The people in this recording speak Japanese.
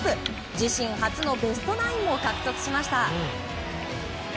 自身初のベストナインも獲得しました。